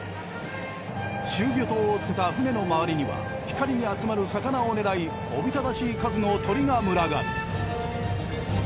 集魚灯をつけた船の周りには光に集まる魚を狙いおびただしい数の鳥が群がる。